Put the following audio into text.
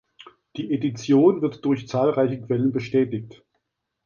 Die Edition wird durch zahlreiche Quellen bestätigt.